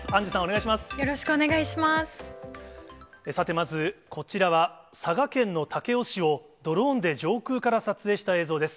さてまず、こちらは佐賀県の武雄市をドローンで上空から撮影した映像です。